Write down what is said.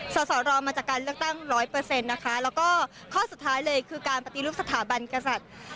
สอสอรอมาจากการเลือกตั้งร้อยเปอร์เซ็นต์นะคะแล้วก็ข้อสุดท้ายเลยคือการปฏิรูปสถาบันกษัตริย์